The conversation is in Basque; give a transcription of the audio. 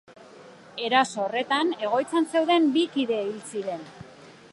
Eraso horretan, egoitzan zeuden bi kide hil ziren.